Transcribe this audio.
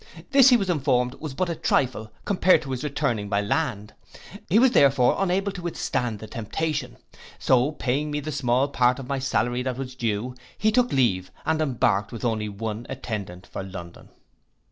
This he was informed was but a trifle, compared to his returning by land, he was therefore unable to withstand the temptation; so paying me the small part of my salary that was due, he took leave, and embarked with only one attendant for London.